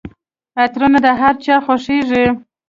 عطرونه د هرچا خوښیږي.